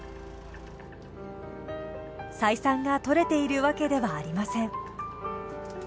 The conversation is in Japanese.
採算が取れているわけではありません。